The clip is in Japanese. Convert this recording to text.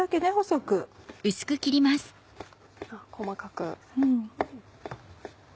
細かく。